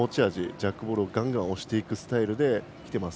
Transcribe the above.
ジャックボールをがんがん押していくスタイルできています。